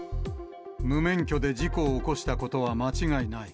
無免許で事故を起こしたことは間違いない。